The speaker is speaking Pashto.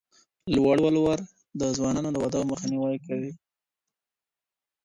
لوړ ولور د ځوانانو د واده مخنيوی کوي.